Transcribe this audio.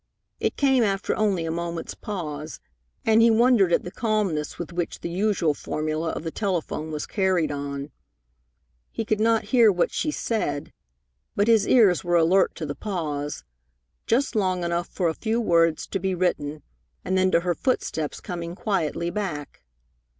It came after only a moment's pause, and he wondered at the calmness with which the usual formula of the telephone was carried on. He could not hear what she said, but his ears were alert to the pause, just long enough for a few words to be written, and then to her footsteps coming quietly back.